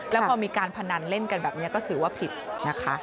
แล้วพอมีการพนันเล่นกันแบบนี้ก็ถือว่าผิดนะคะ